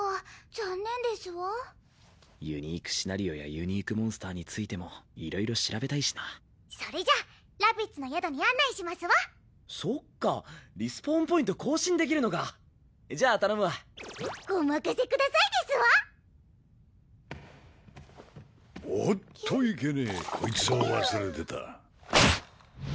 残念ですわユニークシナリオやユニークモンスターについてもそれじゃラビッツの宿に案内そっかリスポーンポイント更新できるじゃあ頼むわお任せくださいですわおっといけねぇえっ！